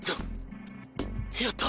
やった。